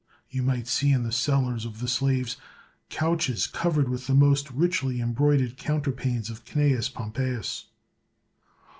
You might see in the cellars of the slaves couches covered with the most richly embroidered counterpanes of CnaBus Pompeius.